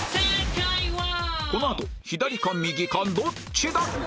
このあと左か右かどっちだ？